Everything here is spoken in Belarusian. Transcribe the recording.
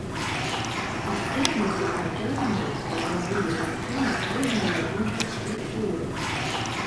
Істотных укладанняў патрабуе таксама клубная інфраструктура.